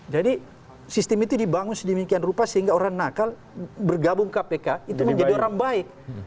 jadi sistem itu dibangun sedemikian rupa sehingga orang nakal bergabung kpk itu menjadi orang baik